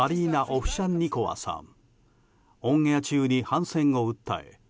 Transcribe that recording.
オンエア中に反戦を訴え